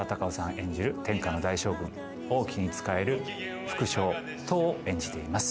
演じる天下の大将軍・王騎に仕える副将・騰を演じています。